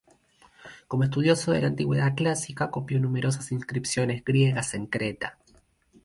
Como estudioso de la antigüedad clásica, copió numerosas inscripciones griegas en Creta.